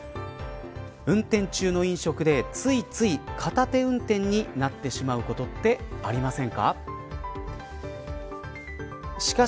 運転中の飲食でついつい片手運転になってしまうことってありませんか。